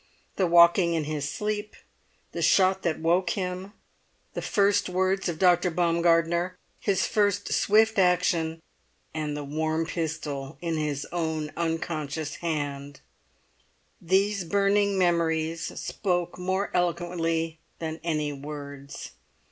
The walking in his sleep, the shot that woke him, the first words of Dr. Baumgartner, his first swift action, and the warm pistol in his own unconscious hand: these burning memories spoke more eloquently than any words.